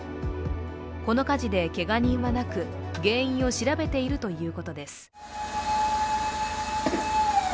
この火事でけが人はなく原因を調べているということです。